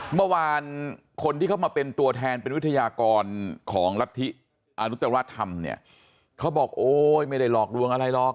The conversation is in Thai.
เมื่อวานคนที่เขามาเป็นตัวแทนเป็นวิทยากรของรัฐอนุตรวัฒนธรรมเนี่ยเขาบอกโอ๊ยไม่ได้หลอกลวงอะไรหรอก